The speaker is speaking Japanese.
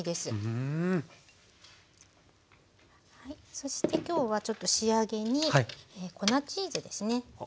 そして今日はちょっと仕上げに粉チーズですね。